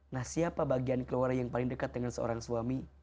nah siapa bagian keluarga yang paling dekat dengan seorang suami